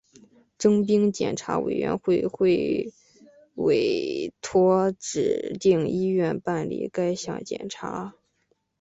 征兵检查委员会会委托指定医院办理该项检查。